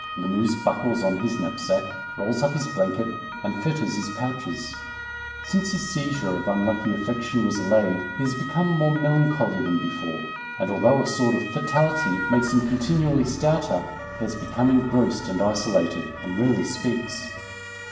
Lamuse buckles on his knapsack, rolls up his blanket, and fetters his pouches. Since his seizure of unlucky affection was allayed, he has become more melancholy than before, and although a sort of fatality makes him continually stouter, he has become engrossed and isolated, and rarely speaks.